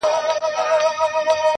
ته راته ووایه چي څنگه به جنجال نه راځي.